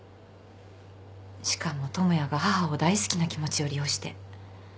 しかも智也が母を大好きな気持ちを利用して。